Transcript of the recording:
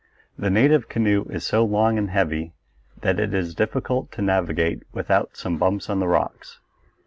The native canoe is so long and heavy that it is difficult to navigate without some bumps on the rocks.